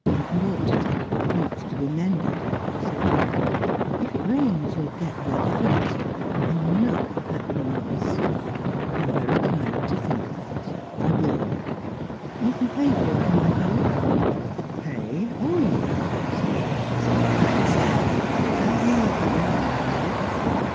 "You ought to take your boots to be mended," she said gently. "If it rains, you'll get wet feet, and you know what that means." "You're very kind to think of it; I will." "You can pay for them, I hope?" "Pay? Oh, yes, yes! a trifle such as that Have you had a long walk?"